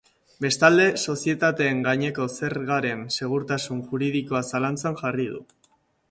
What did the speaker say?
Bestalde, sozietateen gaineko zergaren segurtasun juridikoa zalantzan jarri du.